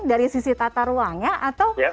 dari sisi tata ruangnya atau